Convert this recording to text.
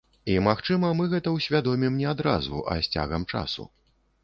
І, магчыма, мы гэта ўсвядомім не адразу, а з цягам часу.